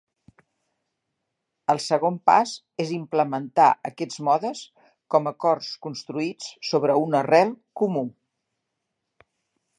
El segon pas és implementar aquests modes com acords construïts sobre una arrel comú.